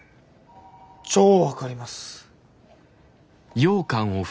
超分かります。